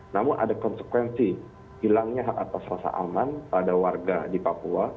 namun ada konsekuensi hilangnya hak atas rasa aman pada warga di papua